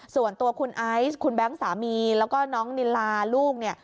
ส่วนตัวคุณไอซ์คุณแบงค์สามีแล้วก็น้องนิลาลูกเนี่ย